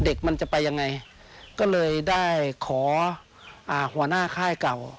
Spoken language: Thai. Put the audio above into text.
เด็กมันจะไปยังไงก็เลยได้ขออ่าหัวหน้าค่ายเก่า